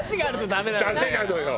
ダメなのよ！